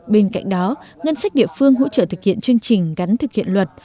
bên cạnh đó ngân sách địa phương hỗ trợ thực hiện chương trình gắn thực hiện luật